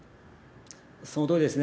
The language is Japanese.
そのとおりですね。